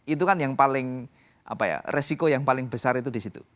itu kan yang paling apa ya resiko yang paling besar itu disitu